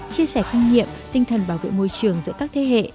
chia sẻ kinh nghiệm tinh thần bảo vệ môi trường giữa các thế hệ